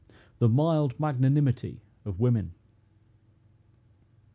THE MILD MAGNANIMITY OF WOMEN.